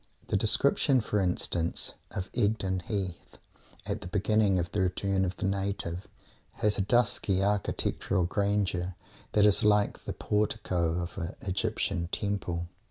The description, for instance, of Egdon Heath, at the beginning of the Return of the Native, has a dusky architectural grandeur that is like the Portico of an Egyptian Temple.